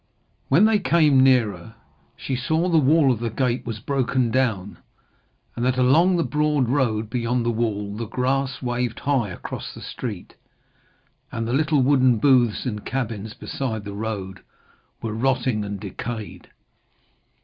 When they came nearer, she saw the wall of the gate was broken down, and that along the broad road beyond the wall the grass waved high across the street, and the little wooden booths and cabins beside the road were rotting and decayed.